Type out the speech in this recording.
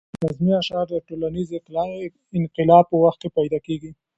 رزمي اشعار د ټولنیز انقلاب په وخت کې پیدا کېږي.